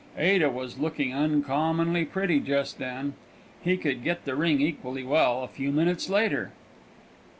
Ada was looking uncommonly pretty just then; he could get the ring equally well a few minutes later.